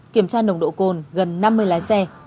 kiểm tra nồng độ cồn gần năm mươi lái xe